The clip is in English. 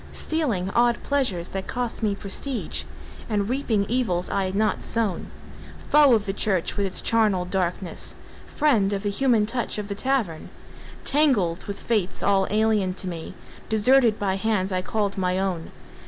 Stealing odd pleasures that cost me prestige, And reaping evils I had not sown; Foe of the church with its charnel dankness, Friend of the human touch of the tavern; Tangled with fates all alien to me, Deserted by hands I called my own.